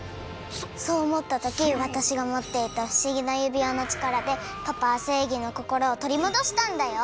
そうおもったときわたしがもっていたふしぎなゆびわのちからでパパはせいぎのこころをとりもどしたんだよ！